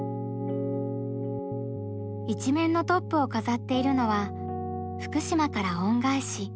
一面のトップを飾っているのは「福島から『恩返し』」。